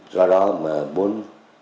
do đó mà muốn